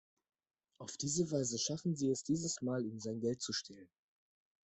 Auf diese Weise schaffen sie es dieses Mal, ihm sein Geld zu stehlen.